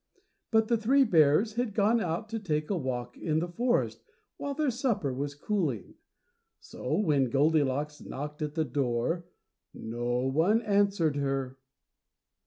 But the three bears had gone out to take a walk in the forest while their supper was cooling, so when Goldilocks knocked at the door no one answered her.